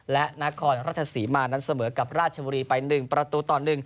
และนครราชศรีมานั้นเสมอกับราชบุรีไป๑ประตูต่อ๑